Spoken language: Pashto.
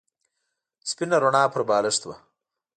سپینه رڼا پر بالښت وه.